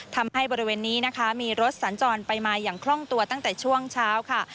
ทำให้บริเวณนี้นะคะมีรถสัญจรไปมาอย่างคล่องตัวตั้งแต่ช่วงเช้าค่ะ